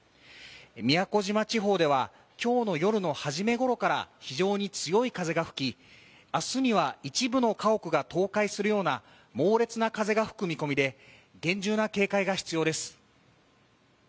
宮古島地方では今日の夜の初めごろから非常に強い風が吹き、明日には一部の家屋が倒壊するような猛烈な風が吹く見込みで、厳重な警戒が必要です。